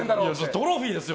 トロフィーですよ。